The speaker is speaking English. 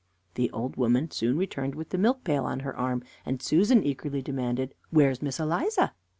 The old woman soon returned with the milk pail on her arm, and Susan eagerly demanded: "Where's Miss Eliza?"